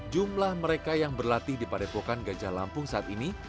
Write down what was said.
jumlah mereka yang berlatih di padepokan gajah lampung saat ini